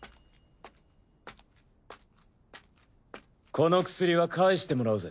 この薬は返してもらうぜ。